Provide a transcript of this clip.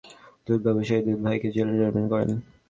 ভেজাল দুধ তৈরির দায়ে আদালত দুধ ব্যবসায়ী দুই ভাইকে জেল-জরিমানা করেন।